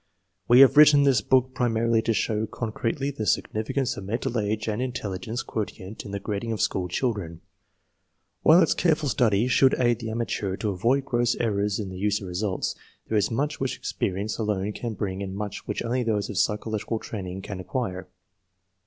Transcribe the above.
We have written this book prima rily to show concretely the significance of mental age and intelligence quotient in the grading of school chil dren. While its careful study should aid the amateur to avoid gross errors in the use of results, there is much which experience alone can bring and much which only those of psychological training can ac quire.